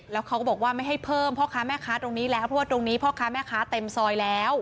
แล้วเขาก็บอกว่าไม่ให้เพิ่มพ่อค้าแม่ค้าตรงนี้แล้วเพราะว่าตรงนี้พ่อค้าแม่ค้าเต็มซอยแล้ว